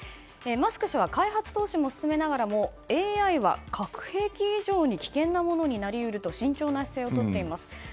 マスク氏は開発投資も進めながらもＡＩは核兵器以上に危険なものになり得ると慎重な姿勢をとっています。